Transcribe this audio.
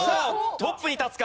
トップに立つか？